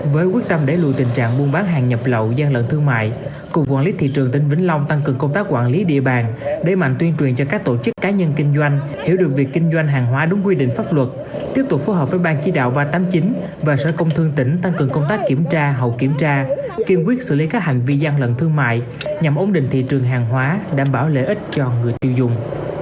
với quyết tâm để lùi tình trạng buôn bán hàng nhập lậu gian lận thương mại cục quản lý thị trường tỉnh vĩnh long tăng cường công tác quản lý địa bàn để mạnh tuyên truyền cho các tổ chức cá nhân kinh doanh hiểu được việc kinh doanh hàng hóa đúng quy định pháp luật tiếp tục phù hợp với ban chí đạo ba trăm tám mươi chín và sở công thương tỉnh tăng cường công tác kiểm tra hậu kiểm tra kiên quyết xử lý các hành vi gian lận thương mại nhằm ổn định thị trường hàng hóa đảm bảo lợi ích cho người tiêu dùng